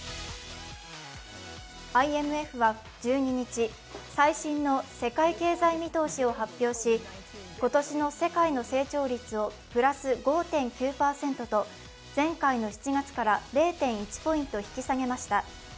ＩＭＦは１２日、最新の世界経済見通しを発表し、今年の世界の成長率をプラス５．９％と前回の７月から０．１ポイント引き下げました。